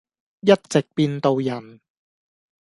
一直變到人。